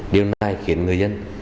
điều này khiến người dân